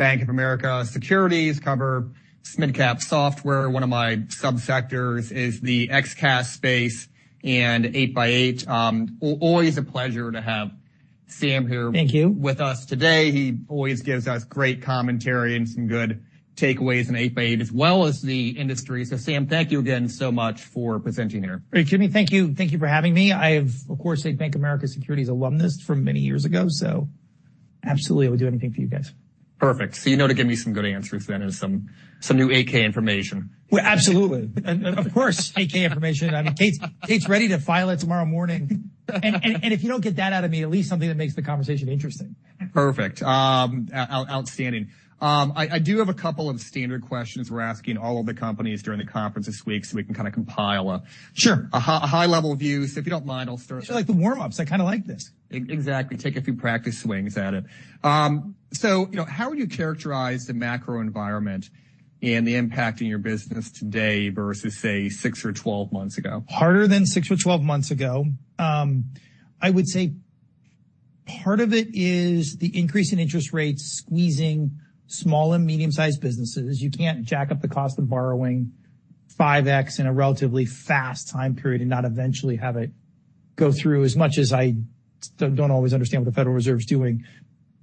Bank of America Securities, cover mid-cap software. One of my subsectors is the XCaaS space and 8x8. Always a pleasure to have Sam here- Thank you. with us today. He always gives us great commentary and some good takeaways in 8x8, as well as the industry. So Sam, thank you again so much for presenting here. Hey, Jimmy, thank you. Thank you for having me. I've, of course, a Bank of America Securities alumnus from many years ago, so absolutely, I would do anything for you guys. Perfect. So you know, to give me some good answers then, and some new 8-K information. Well, absolutely. And of course, 8-K information. I mean, Kate's ready to file it tomorrow morning. And if you don't get that out of me, at least something that makes the conversation interesting. Perfect. Outstanding. I do have a couple of standard questions we're asking all of the companies during the conference this week, so we can kind of compile a- Sure. A high-level view. So if you don't mind, I'll start. I like the warm-ups. I kind of like this. Exactly. Take a few practice swings at it. So, you know, how would you characterize the macro environment and the impact in your business today versus, say, six or 12 months ago? Harder than six or 12 months ago. I would say part of it is the increase in interest rates squeezing small and medium-sized businesses. You can't jack up the cost of borrowing 5x in a relatively fast time period and not eventually have it go through. As much as I don't always understand what the Federal Reserve's doing,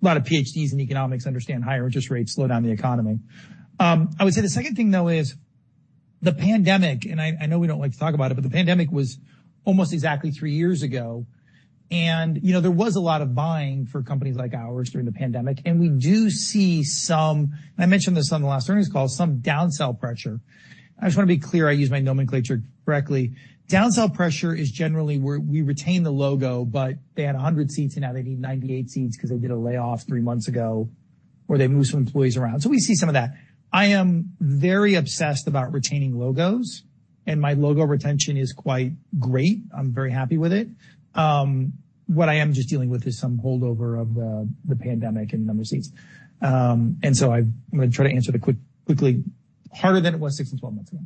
a lot of PhDs in economics understand higher interest rates slow down the economy. I would say the second thing, though, is the pandemic, and I know we don't like to talk about it, but the pandemic was almost exactly 3 years ago, and, you know, there was a lot of buying for companies like ours during the pandemic. And we do see some... I mentioned this on the last earnings call, some downsell pressure. I just want to be clear, I use my nomenclature correctly. Downsell pressure is generally where we retain the logo, but they had 100 seats, and now they need 98 seats because they did a layoff three months ago, or they moved some employees around. So we see some of that. I am very obsessed about retaining logos, and my logo retention is quite great. I'm very happy with it. What I am just dealing with is some holdover of the pandemic and the number of seats. And so I'm gonna try to answer it quickly, harder than it was six and 12 months ago.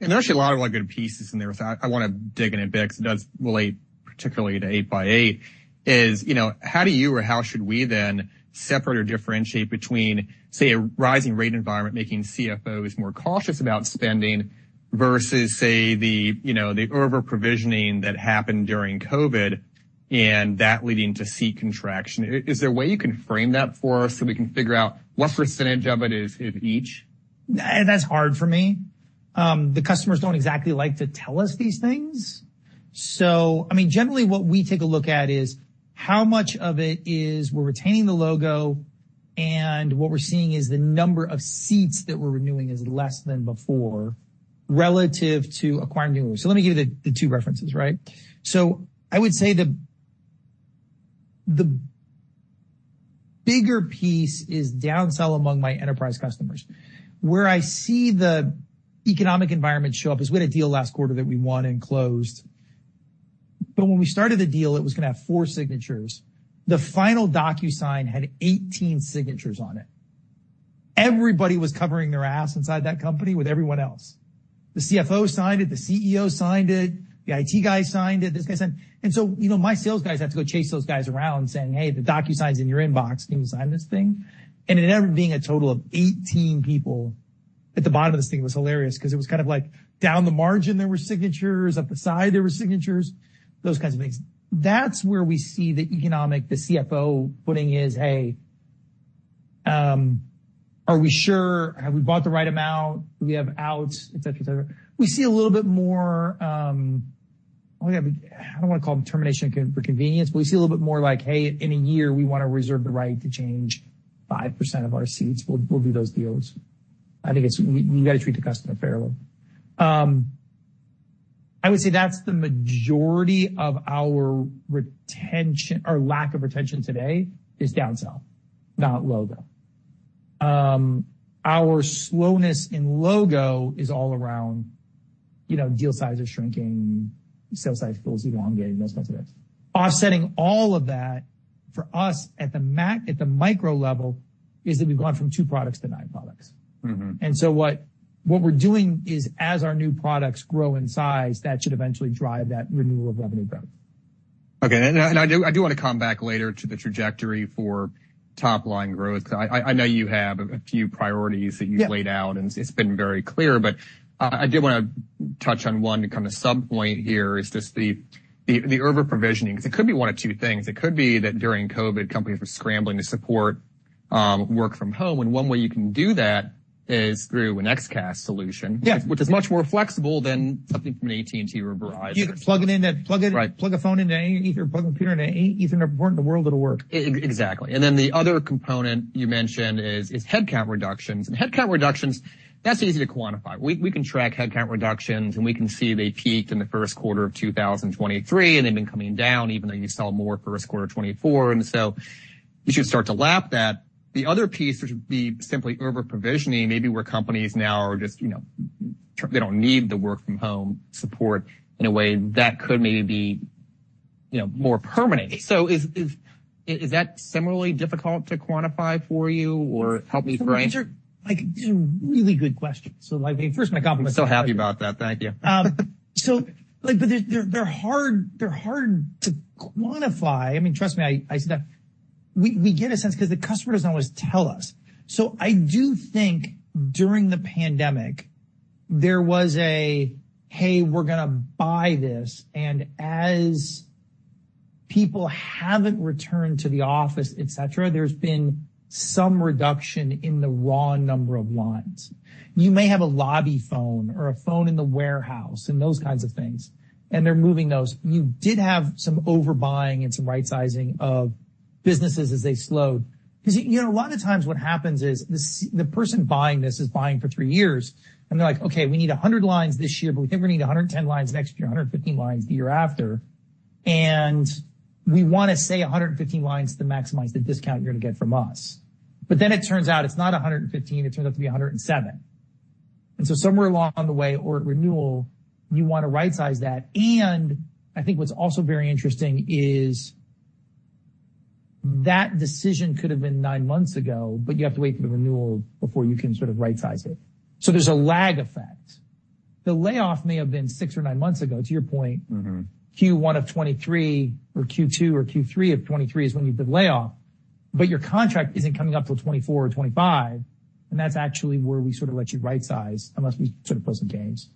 There's actually a lot of, like, good pieces in there that I want to dig in a bit, because it does relate particularly to 8x8, is, you know, how do you or how should we then separate or differentiate between, say, a rising rate environment, making CFOs more cautious about spending versus, say, the, you know, the overprovisioning that happened during COVID, and that leading to seat contraction? Is there a way you can frame that for us, so we can figure out what percentage of it is, is each? That's hard for me. The customers don't exactly like to tell us these things. So I mean, generally, what we take a look at is how much of it is we're retaining the logo, and what we're seeing is the number of seats that we're renewing is less than before, relative to acquiring new ones. So let me give you the, the two references, right? So I would say the, the bigger piece is downsell among my enterprise customers. Where I see the economic environment show up is we had a deal last quarter that we won and closed, but when we started the deal, it was gonna have 4 signatures. The final DocuSign had 18 signatures on it. Everybody was covering their ass inside that company with everyone else. The CFO signed it, the CEO signed it, the IT guy signed it, this guy signed. And so, you know, my sales guys have to go chase those guys around saying: "Hey, the DocuSign's in your inbox. Can you sign this thing?" And it ended up being a total of 18 people at the bottom of this thing. It was hilarious because it was kind of like down the margin there were signatures, up the side there were signatures, those kinds of things. That's where we see the economic, the CFO putting his: "Hey, are we sure? Have we bought the right amount? Do we have outs?" Et cetera, et cetera. We see a little bit more, oh, yeah, I don't want to call them termination for convenience, but we see a little bit more like: "Hey, in a year, we want to reserve the right to change 5% of our seats." We'll do those deals. I think it's we gotta treat the customer fairly. I would say that's the majority of our retention, or lack of retention today is downsell, not logo. Our slowness in logo is all around, you know, deal sizes shrinking, sales cycles elongating, those kinds of things. Offsetting all of that for us at the macro, at the micro level, is that we've gone from two products to nine products. Mm-hmm. So what we're doing is, as our new products grow in size, that should eventually drive that renewal of revenue growth. Okay, and I do want to come back later to the trajectory for top-line growth. I know you have a few priorities- Yeah. -that you've laid out, and it's been very clear, but I did want to touch on one kind of subpoint here is just the overprovisioning, because it could be one of two things. It could be that during COVID, companies were scrambling to support work from home, and one way you can do that is through an XCaaS solution. Yeah. Which is much more flexible than something from an AT&T or a Verizon. You plug it in. Right. Plug a phone into any Ethernet, plug a computer into any Ethernet port in the world, it'll work. Exactly. And then the other component you mentioned is headcount reductions. And headcount reductions, that's easy to quantify. We can track headcount reductions, and we can see they peaked in the first quarter of 2023, and they've been coming down, even though you saw more first quarter of 2024. And so you should start to lap that. The other piece, which would be simply overprovisioning, maybe where companies now are just, you know, they don't need the work from home support in a way that could maybe be, you know, more permanent. So is that similarly difficult to quantify for you or help me frame?... Like, these are really good questions. So, like, first, my compliments- I'm so happy about that. Thank you. So, like, but they're hard to quantify. I mean, trust me, I see that. We get a sense because the customer doesn't always tell us. So I do think during the pandemic, there was a, "Hey, we're gonna buy this," and as people haven't returned to the office, et cetera, there's been some reduction in the raw number of lines. You may have a lobby phone or a phone in the warehouse and those kinds of things, and they're moving those. You did have some overbuying and some right-sizing of businesses as they slowed. Because, you know, a lot of times what happens is, the person buying this is buying for three years, and they're like: Okay, we need 100 lines this year, but we think we need 110 lines next year, 115 lines the year after, and we wanna say 115 lines to maximize the discount you're gonna get from us. But then it turns out it's not 115, it turned out to be 107. And so somewhere along the way or at renewal, you wanna right-size that, and I think what's also very interesting is that decision could have been nine months ago, but you have to wait for the renewal before you can sort of right-size it. So there's a lag effect. The layoff may have been six or nice months ago, to your point. Mm-hmm. Q1 of 2023 or Q2 or Q3 of 2023 is when you did the layoff, but your contract isn't coming up till 2024 or 2025, and that's actually where we sort of let you right-size, unless we sort of play some games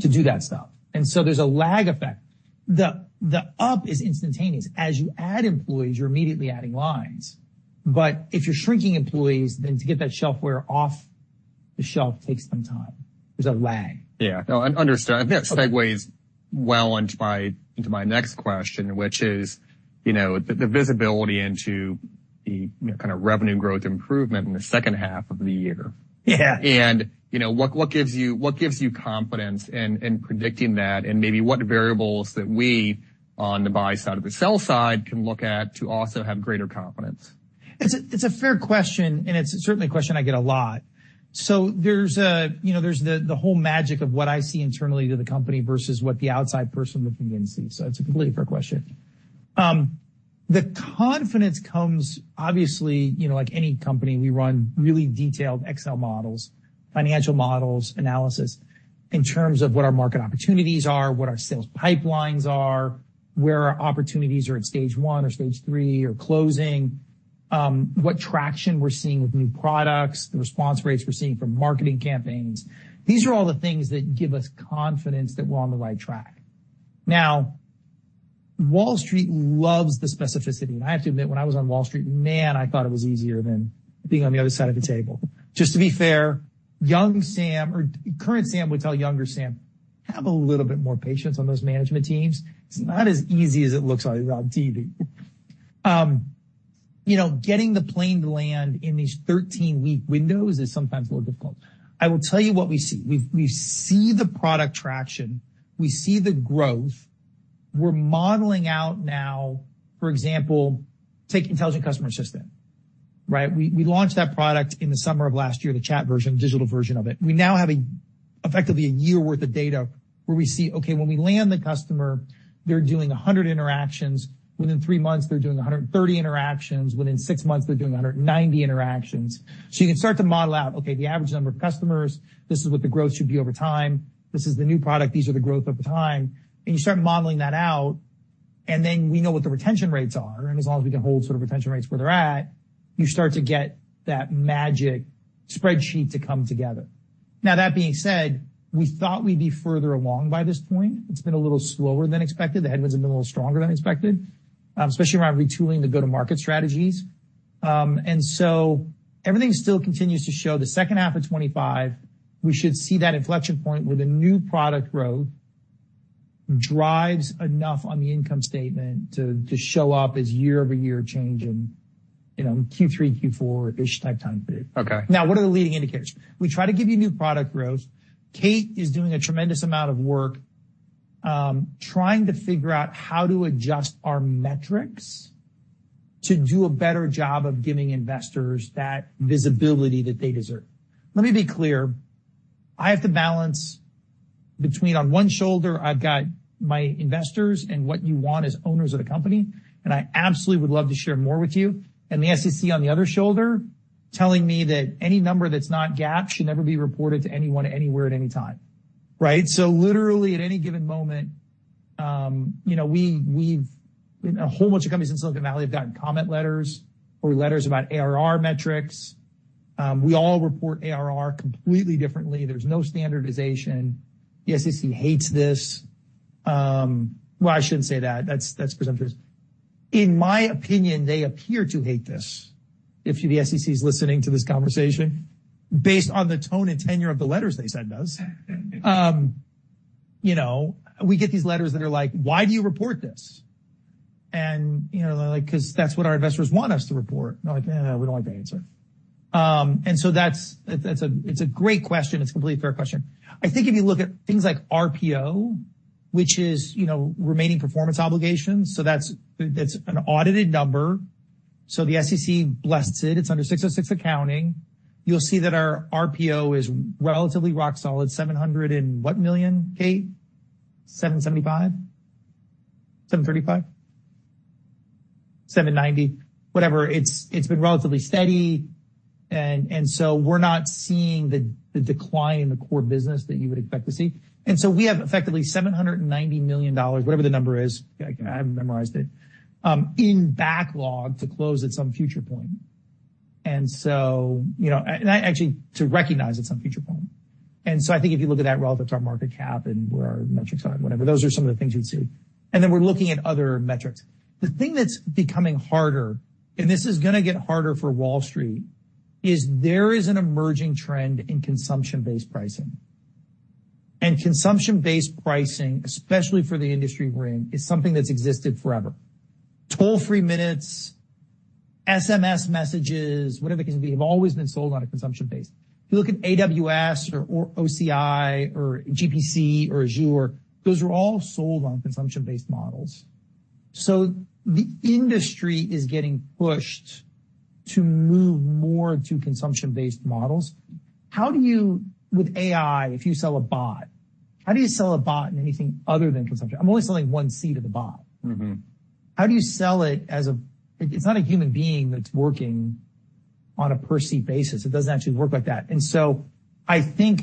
to do that stuff. And so there's a lag effect. The up is instantaneous. As you add employees, you're immediately adding lines, but if you're shrinking employees, then to get that shelfware off the shelf takes some time. There's a lag. Yeah. No, I understand. That segues well into my, into my next question, which is, you know, the, the visibility into the, kind of revenue growth improvement in the second half of the year. Yeah. You know, what, what gives you, what gives you confidence in, in predicting that, and maybe what variables that we on the buy side or the sell side can look at to also have greater confidence? It's a fair question, and it's certainly a question I get a lot. So there's, you know, the whole magic of what I see internally to the company versus what the outside person looking in sees, so it's a completely fair question. The confidence comes obviously, you know, like any company, we run really detailed Excel models, financial models, analysis, in terms of what our market opportunities are, what our sales pipelines are, where our opportunities are at stage one or stage three or closing, what traction we're seeing with new products, the response rates we're seeing from marketing campaigns. These are all the things that give us confidence that we're on the right track. Now, Wall Street loves the specificity, and I have to admit, when I was on Wall Street, man, I thought it was easier than being on the other side of the table. Just to be fair, young Sam or current Sam would tell younger Sam, "Have a little bit more patience on those management teams. It's not as easy as it looks like on TV." You know, getting the plane to land in these 13-week windows is sometimes a little difficult. I will tell you what we see. We see the product traction, we see the growth. We're modeling out now, for example, take Intelligent Customer Assistant, right? We launched that product in the summer of last year, the chat version, digital version of it. We now have, effectively, a year worth of data where we see, okay, when we land the customer, they're doing 100 interactions. Within 3 months, they're doing 130 interactions. Within six months, they're doing 190 interactions. So you can start to model out, okay, the average number of customers, this is what the growth should be over time. This is the new product, these are the growth over time, and you start modeling that out, and then we know what the retention rates are, and as long as we can hold sort of retention rates where they're at, you start to get that magic spreadsheet to come together. Now, that being said, we thought we'd be further along by this point. It's been a little slower than expected. The headwinds have been a little stronger than expected, especially around retooling the go-to-market strategies. And so everything still continues to show the second half of 2025, we should see that inflection point where the new product growth drives enough on the income statement to show up as year-over-year change in, you know, Q3, Q4-ish type time frame. Okay. Now, what are the leading indicators? We try to give you new product growth. Kate is doing a tremendous amount of work, trying to figure out how to adjust our metrics to do a better job of giving investors that visibility that they deserve. Let me be clear. I have to balance between on one shoulder, I've got my investors and what you want as owners of the company, and I absolutely would love to share more with you, and the SEC on the other shoulder, telling me that any number that's not GAAP should never be reported to anyone, anywhere, at any time, right? So literally, at any given moment, you know, a whole bunch of companies in Silicon Valley have gotten comment letters or letters about ARR metrics. We all report ARR completely differently. There's no standardization. The SEC hates this. Well, I shouldn't say that, that's presumptuous. In my opinion, they appear to hate this. If the SEC is listening to this conversation, based on the tone and tenor of the letters they send us. You know, we get these letters that are like: Why do you report this? And, you know, they're like: "Because that's what our investors want us to report." They're like: "Eh, we don't like that answer." And so that's a great question. It's a completely fair question. I think if you look at things like RPO, which is, you know, remaining performance obligations, so that's an audited number, so the SEC blessed it. It's under 606 accounting. You'll see that our RPO is relatively rock solid, $700 and what million, Kate? $775 million?... $735 million? $790 million, whatever. It's been relatively steady, and so we're not seeing the decline in the core business that you would expect to see. And so we have effectively $790 million, whatever the number is, I haven't memorized it, in backlog to close at some future point. And so, you know, and I actually to recognize at some future point. And so I think if you look at that relative to our market cap and where our metrics are and whatever, those are some of the things you'd see. And then we're looking at other metrics. The thing that's becoming harder, and this is gonna get harder for Wall Street, is there is an emerging trend in consumption-based pricing. And consumption-based pricing, especially for the industry we're in, is something that's existed forever. Toll-free minutes, SMS messages, whatever, they have always been sold on a consumption basis. If you look at AWS or OCI or GCP or Azure, those are all sold on consumption-based models. So the industry is getting pushed to move more to consumption-based models. How do you, with AI, if you sell a bot, how do you sell a bot in anything other than consumption? I'm only selling one seat of the bot. Mm-hmm. How do you sell it as a... It's not a human being that's working on a per-seat basis. It doesn't actually work like that. And so I think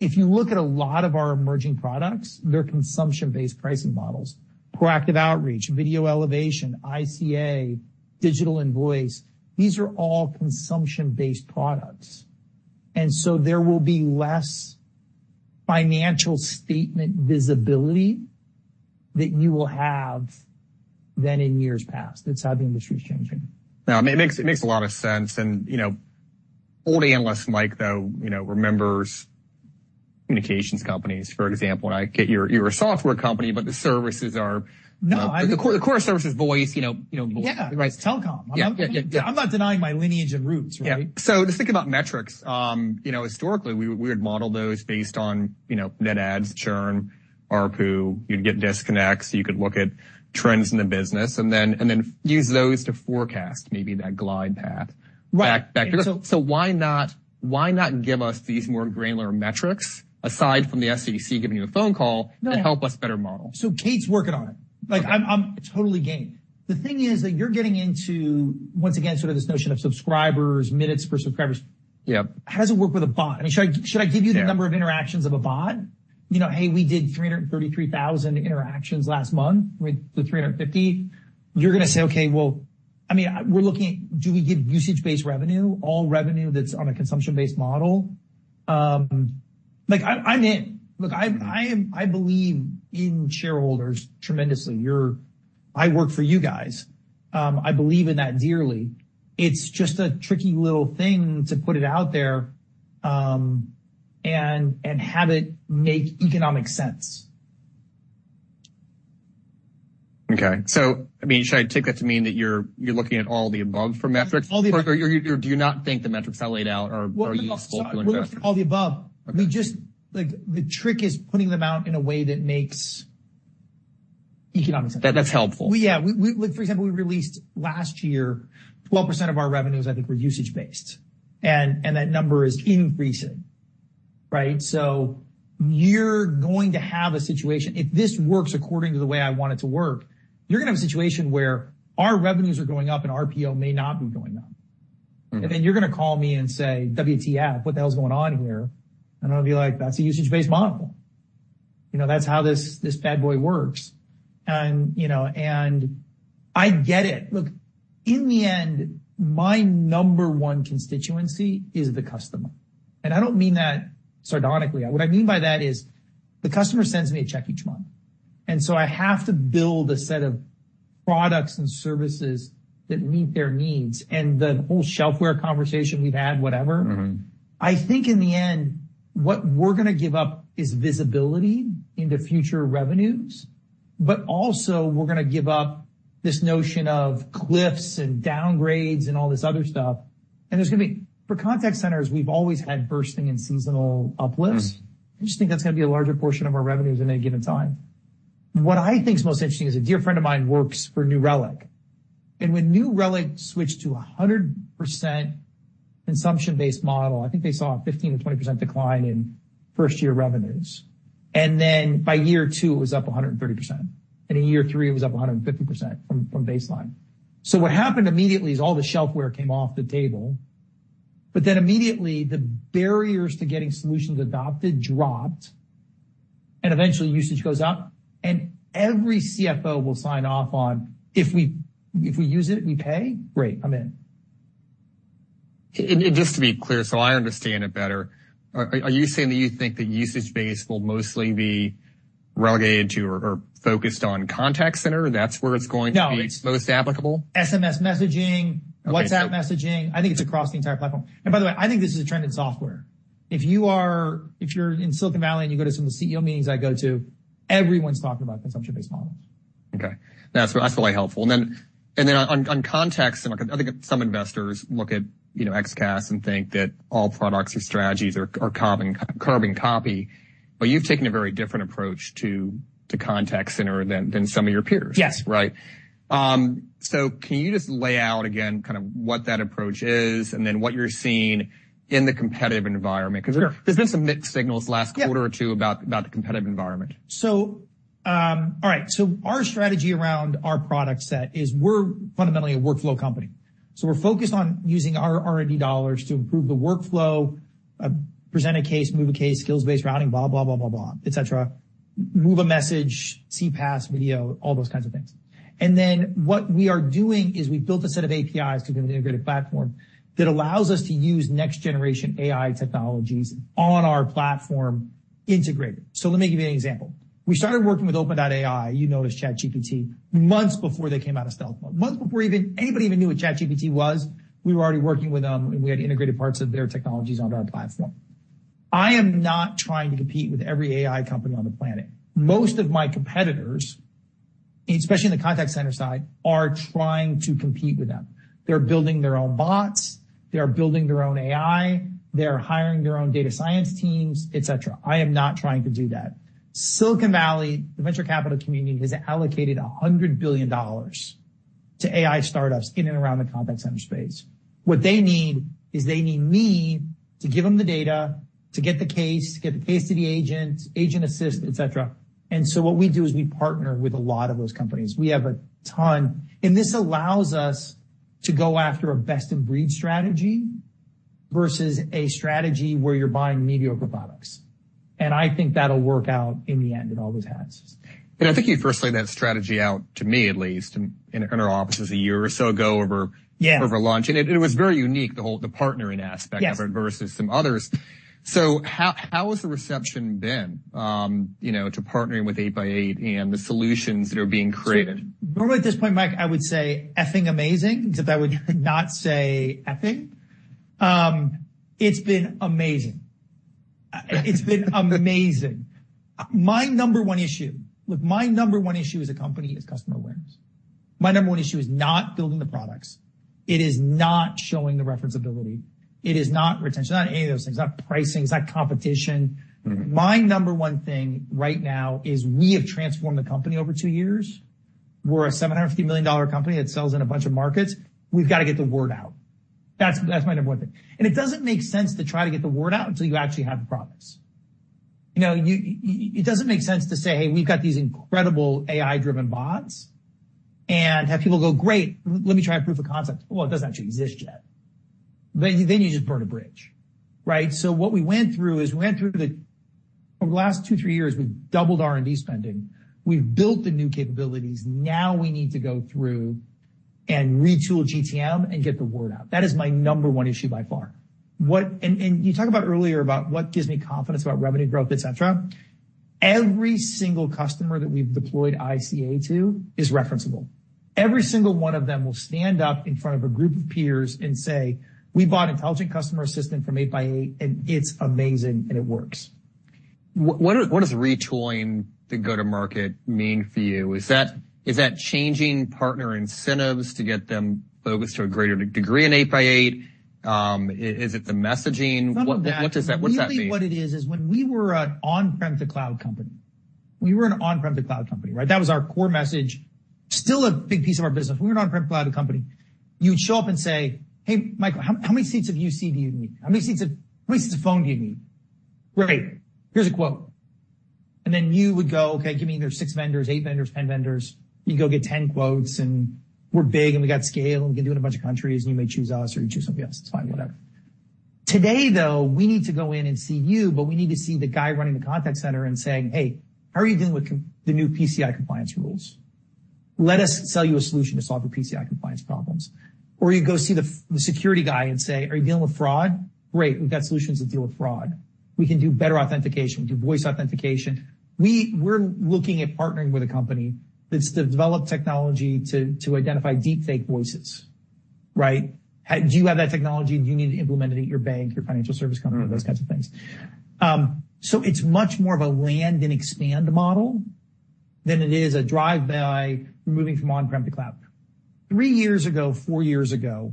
if you look at a lot of our emerging products, they're consumption-based pricing models. Proactive outreach, video elevation, ICA, digital invoice, these are all consumption-based products. And so there will be less financial statement visibility that you will have than in years past. That's how the industry is changing. Now, it makes a lot of sense, and, you know, old analyst Mike, though, you know, remembers communications companies, for example. I get you're a software company, but the services are- No. The core service is voice, you know, you know. Yeah. Right. Telecom. Yeah. Yeah, yeah. I'm not denying my lineage and roots, right? Yeah. So just think about metrics. You know, historically, we would model those based on, you know, net adds, churn, ARPU. You'd get disconnects, you could look at trends in the business and then use those to forecast maybe that glide path. Right. Why not, why not give us these more granular metrics, aside from the SEC giving you a phone call, to help us better model? So Kate's working on it. Like I'm, I'm totally game. The thing is that you're getting into, once again, sort of this notion of subscribers, minutes per subscribers. Yep. How does it work with a bot? I mean, should I give you the number of interactions of a bot? You know, "Hey, we did 333,000 interactions last month with the 350." You're gonna say: Okay, well... I mean, we're looking at do we give usage-based revenue, all revenue that's on a consumption-based model? Like, I'm in. Look, I am-- I believe in shareholders tremendously. You're... I work for you guys. I believe in that dearly. It's just a tricky little thing to put it out there, and have it make economic sense. Okay, so, I mean, should I take that to mean that you're, you're looking at all the above for metrics? All the above. Or you, do you not think the metrics I laid out are useful to investors? All the above. Okay. We just... Like, the trick is putting them out in a way that makes economic sense. That, that's helpful. Yeah. We, like, for example, we released last year, 12% of our revenues, I think, were usage-based, and that number is increasing, right? So you're going to have a situation, if this works according to the way I want it to work, you're gonna have a situation where our revenues are going up and RPO may not be going up. Mm-hmm. And then you're gonna call me and say, "WTF, what the hell is going on here?" And I'll be like, "That's a usage-based model. You know, that's how this, this bad boy works." And, you know, and I get it. Look, in the end, my number one constituency is the customer, and I don't mean that sardonically. What I mean by that is the customer sends me a check each month, and so I have to build a set of products and services that meet their needs, and the whole shelfware conversation we've had, whatever. Mm-hmm. I think in the end, what we're gonna give up is visibility into future revenues, but also we're gonna give up this notion of cliffs and downgrades and all this other stuff. And there's gonna be... For contact centers, we've always had bursting and seasonal uplifts. Mm. I just think that's gonna be a larger portion of our revenues at any given time. What I think is most interesting is a dear friend of mine works for New Relic, and when New Relic switched to a 100% consumption-based model, I think they saw a 15%-20% decline in first-year revenues. And then by year two, it was up 130%, and in year three, it was up 150% from, from baseline. So what happened immediately is all the shelfware came off the table, but then immediately the barriers to getting solutions adopted dropped, and eventually usage goes up, and every CFO will sign off on, "If we, if we use it, we pay? Great, I'm in. Just to be clear, so I understand it better, are you saying that you think the usage base will mostly be relegated to or focused on contact center? That's where it's going to be- No. -most applicable? SMS messaging- Okay. WhatsApp messaging. I think it's across the entire platform. And by the way, I think this is a trend in software. If you're in Silicon Valley, and you go to some of the CEO meetings I go to, everyone's talking about consumption-based models. Okay. That's really helpful. And then on context, and I think some investors look at, you know, XCaaS and think that all products or strategies are carbon copy, but you've taken a very different approach to contact center than some of your peers. Yes. Right? So can you just lay out again kind of what that approach is, and then what you're seeing in the competitive environment? Sure. 'Cause there, there's been some mixed signals last- Yeah A quarter or two about the competitive environment. So, all right. So our strategy around our product set is we're fundamentally a workflow company. So we're focused on using our R&D dollars to improve the workflow, present a case, move a case, skills-based routing, blah, blah, blah, blah, blah, et cetera. Move a message, CPaaS, video, all those kinds of things. And then what we are doing is we built a set of APIs to give an integrated platform that allows us to use next-generation AI technologies on our platform integrated. So let me give you an example. We started working with OpenAI, you noticed ChatGPT, months before they came out of stealth mode. Months before even, anybody even knew what ChatGPT was, we were already working with them, and we had integrated parts of their technologies onto our platform. I am not trying to compete with every AI company on the planet. Most of my competitors, especially in the contact center side, are trying to compete with them. They're building their own bots, they are building their own AI, they are hiring their own data science teams, et cetera. I am not trying to do that. Silicon Valley, the venture capital community, has allocated $100 billion to AI startups in and around the contact center space. What they need is they need me to give them the data, to get the case, to get the case to the agent, Agent Assist, et cetera. And so what we do is we partner with a lot of those companies. We have a ton, and this allows us to go after a best-in-breed strategy versus a strategy where you're buying mediocre products. And I think that'll work out in the end, it always has. I think you firstly laid that strategy out to me at least, in, in our offices a year or so ago over- Yeah. Over launch. It was very unique, the whole partnering aspect- Yes. Versus some others. So how has the reception been, you know, to partnering with 8x8 and the solutions that are being created? Normally, at this point, Mike, I would say effing amazing, because I would not say effing. It's been amazing. It's been amazing. My number one issue, look, my number one issue as a company is customer awareness. My number one issue is not building the products. It is not showing the referenceability. It is not retention, not any of those things, not pricing, it's not competition. Mm-hmm. My number one thing right now is we have transformed the company over 2 years. We're a $750 million company that sells in a bunch of markets. We've got to get the word out. That's, that's my number one thing. And it doesn't make sense to try to get the word out until you actually have the products. You know, it doesn't make sense to say, "Hey, we've got these incredible AI-driven bots," and have people go, "Great, let me try a proof of concept." Well, it doesn't actually exist yet. But then you just burn a bridge, right? So what we went through is we went through over the last 2-3 years, we've doubled R&D spending. We've built the new capabilities. Now we need to go through and retool GTM and get the word out. That is my number one issue by far. What and you talked about earlier about what gives me confidence about revenue growth, et cetera. Every single customer that we've deployed ICA to is referenceable. Every single one of them will stand up in front of a group of peers and say, "We bought Intelligent Customer Assistant from eight by eight, and it's amazing, and it works. What, what is retooling the go-to-market mean for you? Is that, is that changing partner incentives to get them focused to a greater degree in eight by eight? Is it the messaging? Not that. What does that mean? Really, what it is, is when we were an on-prem to cloud company, we were an on-prem to cloud company, right? That was our core message. Still a big piece of our business. We were an on-prem to cloud company. You'd show up and say, "Hey, Michael, how many seats of UC do you need? How many seats of phone do you need? Great, here's a quote." And then you would go, "Okay, give me—there's six vendors, eight vendors, 10 vendors." You go get 10 quotes, and we're big, and we got scale, and we can do it in a bunch of countries, and you may choose us, or you choose somebody else. It's fine, whatever. Today, though, we need to go in and see you, but we need to see the guy running the contact center and saying: Hey, how are you doing with the new PCI compliance rules? Let us sell you a solution to solve your PCI compliance problems. Or you go see the security guy and say: Are you dealing with fraud? Great, we've got solutions to deal with fraud. We can do better authentication. We're looking at partnering with a company that's developed technology to identify deepfake voices, right? Do you have that technology? Do you need to implement it at your bank, your financial service company, those kinds of things. So it's much more of a land and expand model than it is a drive-by moving from on-prem to cloud. Three years ago, four years ago,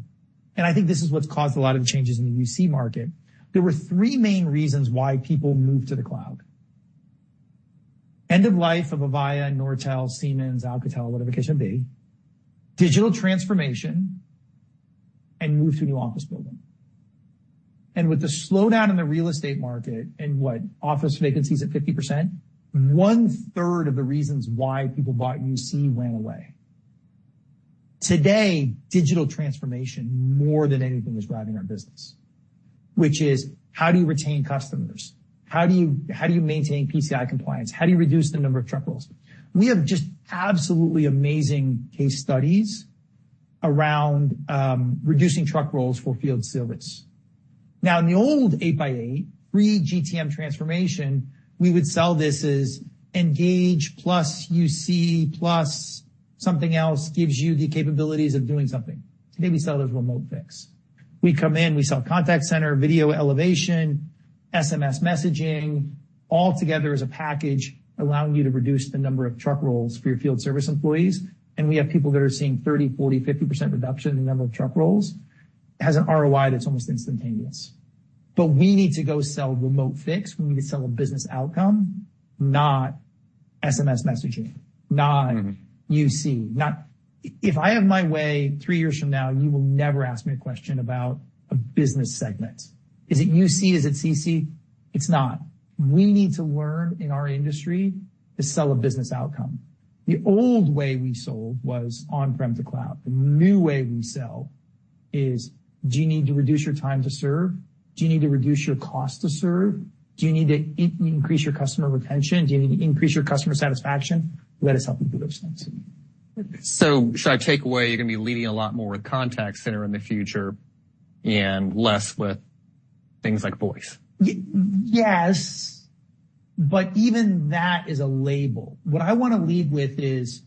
and I think this is what's caused a lot of changes in the UC market, there were three main reasons why people moved to the cloud. End of life of Avaya, Nortel, Siemens, Alcatel, whatever the case may be, digital transformation, and move to a new office building. With the slowdown in the real estate market and what? Office vacancy is at 50%, one-third of the reasons why people bought UC went away. Today, digital transformation, more than anything, is driving our business, which is, how do you retain customers? How do you, how do you maintain PCI compliance? How do you reduce the number of truck rolls? We have just absolutely amazing case studies around reducing truck rolls for field service. Now, in the old 8x8, pre-GTM transformation, we would sell this as 8x8 Engage, plus UC, plus something else gives you the capabilities of doing something. Today, we sell it as remote fix. We come in, we sell contact center, video elevation, SMS messaging, all together as a package, allowing you to reduce the number of truck rolls for your field service employees, and we have people that are seeing 30%, 40%, 50% reduction in the number of truck rolls. It has an ROI that's almost instantaneous. But we need to go sell remote fix. We need to sell a business outcome, not SMS messaging, not- Mm-hmm. UC, not. If I have my way, three years from now, you will never ask me a question about a business segment. Is it UC? Is it CC? It's not. We need to learn in our industry to sell a business outcome. The old way we sold was on-prem to cloud. The new way we sell is, do you need to reduce your time to serve? Do you need to reduce your cost to serve? Do you need to increase your customer retention? Do you need to increase your customer satisfaction? Let us help you do those things. So should I take away, you're gonna be leading a lot more with contact center in the future and less with things like voice? Yes, but even that is a label. What I wanna lead with is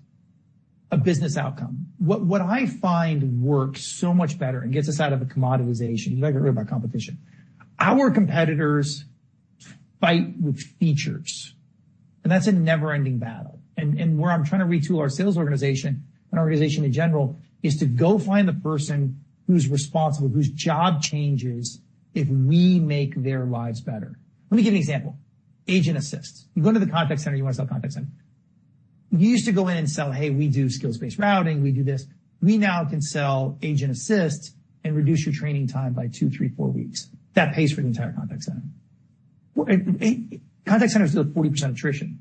a business outcome. What I find works so much better and gets us out of a commoditization, you got to get rid of our competition. Our competitors fight with features, and that's a never-ending battle. And where I'm trying to retool our sales organization and organization in general, is to go find the person who's responsible, whose job changes if we make their lives better. Let me give you an example. Agent Assist. You go into the contact center, you want to sell contact center. You used to go in and sell, "Hey, we do skills-based routing. We do this." We now can sell Agent Assist and reduce your training time by 2, 3, 4 weeks. That pays for the entire contact center. Well, contact center is still at 40% attrition.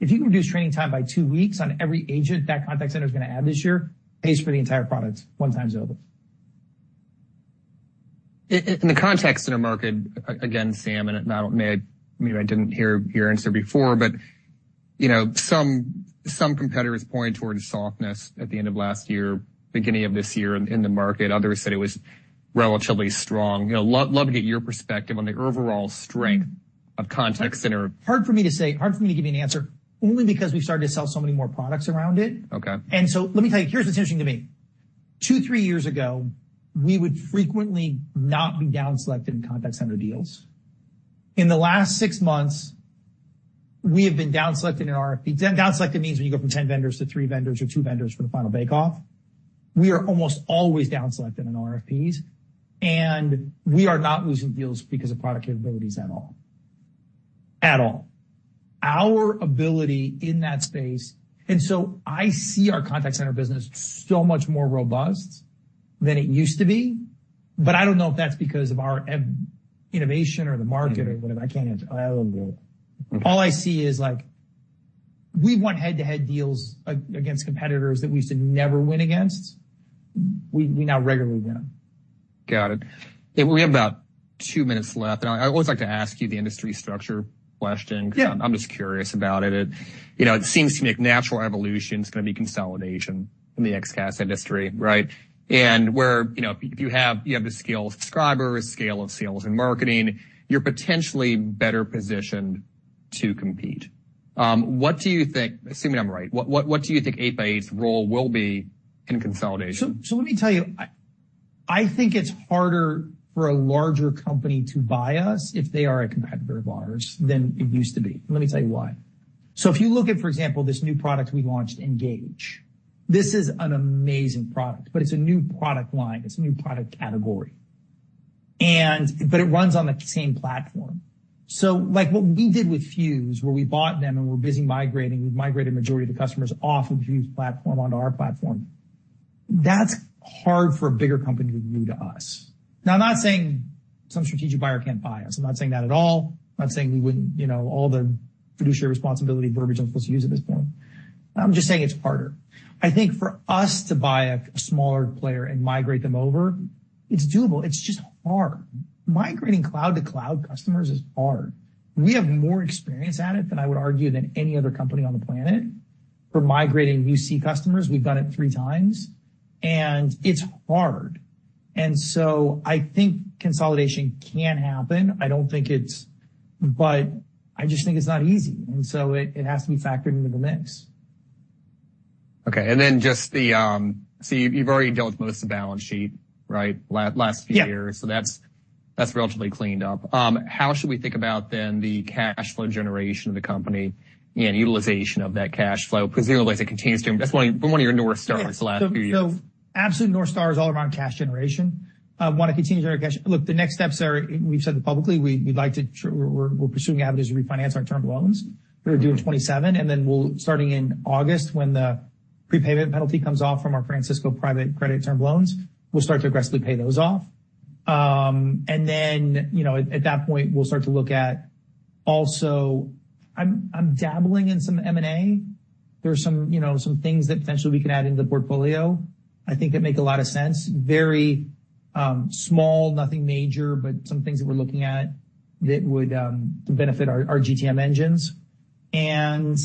If you can reduce training time by two weeks on every agent that contact center is gonna add this year, pays for the entire product one time over. In the contact center market, again, Sam, and I don't, maybe I didn't hear your answer before, but, you know, some competitors point towards softness at the end of last year, beginning of this year in the market. Others said it was relatively strong. You know, love to get your perspective on the overall strength of contact center. Hard for me to say, hard for me to give you an answer, only because we've started to sell so many more products around it. Okay. So let me tell you, here's what's interesting to me. 2-3 years ago, we would frequently not be downselected in contact center deals. In the last 6 months, we have been downselected in RFPs. Downselected means when you go from 10 vendors to three vendors or twovendors for the final bake-off. We are almost always downselected in RFPs, and we are not losing deals because of product capabilities at all. At all. Our ability in that space... So I see our contact center business so much more robust than it used to be, but I don't know if that's because of our innovation or the market or whatever. I can't answer. I don't know. Okay. All I see is, like, we've won head-to-head deals against competitors that we used to never win against. We now regularly win them. Got it. We have about 2 minutes left, and I always like to ask you the industry structure question. Yeah. I'm just curious about it. You know, it seems to make natural evolution. It's gonna be consolidation in the XCaaS industry, right? And where, you know, if you have, you have the scale of subscribers, scale of sales and marketing, you're potentially better positioned to compete. What do you think, assuming I'm right, what, what, what do you think 8x8's role will be in consolidation? So let me tell you, I think it's harder for a larger company to buy us if they are a competitor of ours than it used to be. Let me tell you why. So if you look at, for example, this new product we launched, Engage, this is an amazing product, but it's a new product line, it's a new product category, and but it runs on the same platform. So like what we did with Fuze, where we bought them and we're busy migrating, we've migrated majority of the customers off of Fuze platform onto our platform. That's hard for a bigger company to do to us. Now, I'm not saying some strategic buyer can't buy us. I'm not saying that at all. I'm not saying we wouldn't, you know, all the fiduciary responsibility, verbiage I'm supposed to use at this point. I'm just saying it's harder. I think for us to buy a smaller player and migrate them over, it's doable. It's just hard. Migrating cloud-to-cloud customers is hard. We have more experience at it than I would argue, than any other company on the planet. For migrating UC customers, we've done it three times, and it's hard. And so I think consolidation can happen. I don't think it's... But I just think it's not easy, and so it has to be factored into the mix. Okay, and then just the, so you've already dealt with most of the balance sheet, right? Last few years. Yeah. So that's, that's relatively cleaned up. How should we think about then the cash flow generation of the company and utilization of that cash flow? Because it continues to... That's one of, one of your North Stars the last few years. So absolute North Star is all around cash generation. I want to continue to generate cash. Look, the next steps are, we've said it publicly, we'd like to, we're pursuing avenues to refinance our term loans. Mm-hmm. We're due in 2027, and then we'll, starting in August, when the prepayment penalty comes off from our Francisco private credit term loans, we'll start to aggressively pay those off. And then, you know, at that point, we'll start to look at also, I'm dabbling in some M&A. There are some, you know, some things that potentially we could add into the portfolio. I think that make a lot of sense. Very small, nothing major, but some things that we're looking at that would benefit our GTM engines. And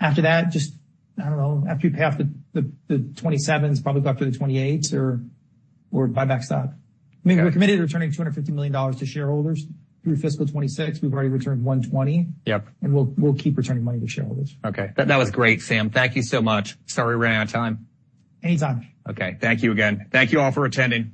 after that, just, I don't know, after you pay off the 2027s, probably go after the 2028s or buy back stock. Yeah. I mean, we're committed to returning $250 million to shareholders through fiscal 2026. We've already returned $120 million. Yep. And we'll keep returning money to shareholders. Okay. That was great, Sam. Thank you so much. Sorry, we ran out of time. Anytime. Okay. Thank you again. Thank you all for attending.